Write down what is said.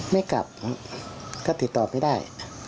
ไม่กลับก็ติดต่อไม่ได้